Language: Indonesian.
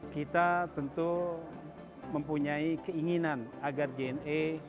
kita tentu mempunyai keinginan agar jna